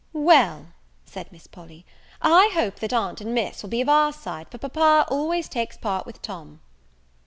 "Well," said Miss Polly, "I hope that aunt and Miss will be of our side, for papa always takes part with Tom."